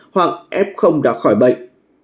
hoặc f đã khỏi bệnh